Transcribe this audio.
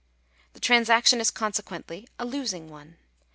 The transaction is consequently a losing one.